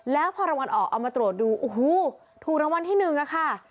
แล้วพอรางวัลออกเอามาตรวจดูโอ้โหถูกรางวัลที่หนึ่งอะค่ะ